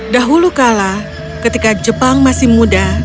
dahulu kala ketika jepang masih muda